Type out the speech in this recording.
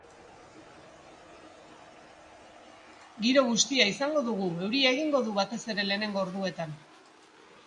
Giro bustia izango dugu, euria egingo du, batez ere lehenengo orduetan.